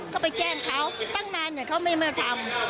ก็ไปแจ้งเขาตั้งนานเขาไม่มาทำ